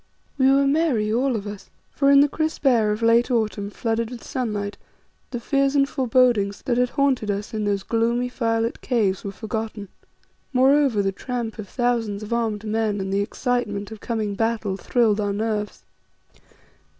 We were merry, all of us, for in the crisp air of late autumn flooded with sunlight, the fears and forebodings that had haunted us in those gloomy, firelit caves were forgotten. Moreover, the tramp of thousands of armed men and the excitement of coming battle thrilled our nerves.